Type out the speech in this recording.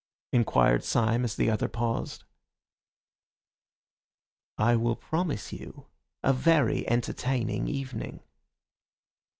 inquired Syme, as the other paused. "I will promise you a very entertaining evening."